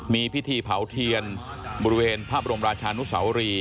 มีพิธีเผาเทียนบริเวณพระบรมราชานุสาวรี